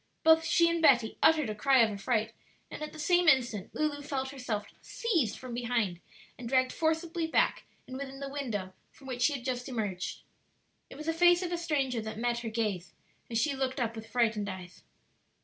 Both she and Betty uttered a cry of affright, and at the same instant Lulu felt herself seized from behind and dragged forcibly back and within the window from which she had just emerged. It was the face of a stranger that met her gaze as she looked up with frightened eyes.